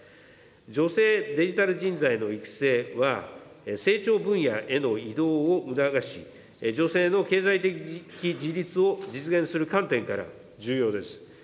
女性デジタル人材の育成は、成長分野への移動を促し、女性の経済的自立を実現する観点から重要です。